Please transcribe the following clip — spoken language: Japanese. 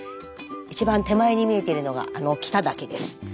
一番手前に見えているのがあの北岳です。